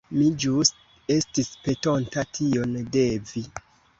Mi ĵus estis petonta tion de vi.